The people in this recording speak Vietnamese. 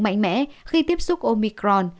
mạnh mẽ khi tiếp xúc omicron